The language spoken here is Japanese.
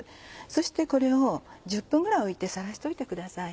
そしてこれを１０分ぐらい置いてさらしておいてください。